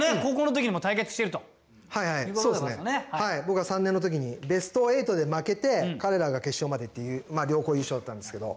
僕が３年の時にベスト８で負けて彼らが決勝まで行って両校優勝だったんですけど。